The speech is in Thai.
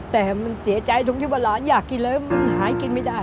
แต่มันเสียใจตรงที่ว่าหลานอยากกินเลยมันหายกินไม่ได้